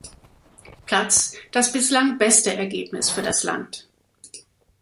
Platz, das bislang beste Ergebnis für das Land.